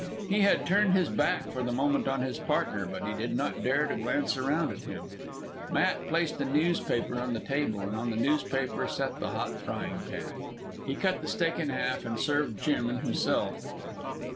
He had turned his back for the moment on his partner, but he did not dare to glance around at him. Matt placed a newspaper on the table, and on the newspaper set the hot frying pan. He cut the steak in half, and served Jim and himself.